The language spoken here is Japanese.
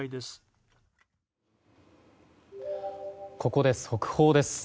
ここで速報です。